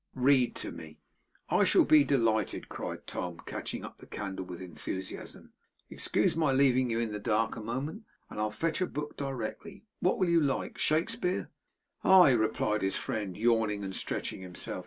'Read to me.' 'I shall be delighted,' cried Tom, catching up the candle with enthusiasm. 'Excuse my leaving you in the dark a moment, and I'll fetch a book directly. What will you like? Shakespeare?' 'Aye!' replied his friend, yawning and stretching himself.